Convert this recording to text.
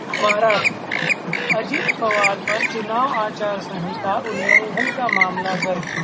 महाराष्ट्र: अजित पवार पर चुनाव आचार संहिता उल्लंघन का मामला दर्ज